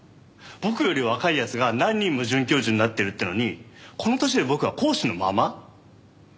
僕より若い奴が何人も准教授になってるっていうのにこの年で僕は講師のまま？